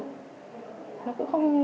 nó cũng không